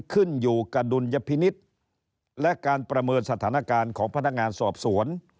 ขึ้นอยู่กับดุลยพินิษฐ์และการประเมินสถานการณ์ของพนักงานสอบสวน